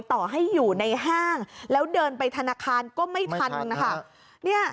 ต่อให้อยู่ในห้างแล้วเดินไปธนาคารก็ไม่ทันนะคะ